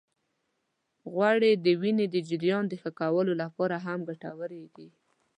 غوړې د وینې د جريان د ښه کولو لپاره هم ګټورې دي.